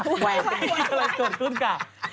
ไวค่ะไวค่ะ